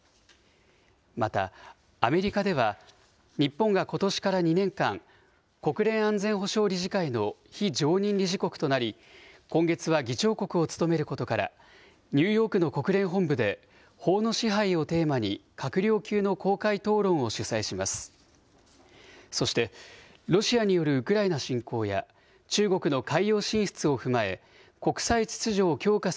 また、アメリカでは、日本がことしから２年間、国連安全保障理事会の非常任理事国となり、今月は議長国を務めることから、ニューヨークの国連本部で、法の支配をテーマに、閣僚級の公開討論を主催します。